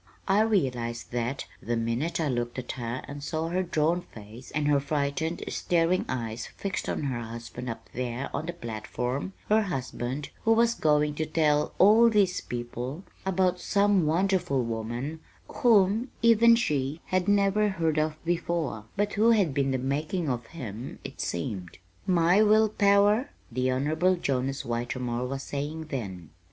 I realized that, the minute I looked at her and saw her drawn face and her frightened, staring eyes fixed on her husband up there on the platform her husband, who was going to tell all these people about some wonderful woman whom even she had never heard of before, but who had been the making of him, it seemed. "My will power?" the Honorable Jonas Whitermore was saying then.